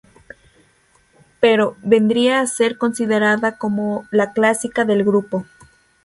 Pero— vendría a ser considerada como la clásica del grupo.